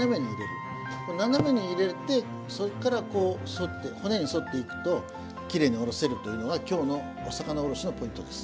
斜めに入れてそっからこう沿って骨に沿っていくときれいにおろせるというのが今日のお魚おろしのポイントです。